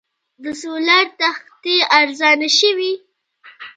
د سولر تختې ارزانه شوي؟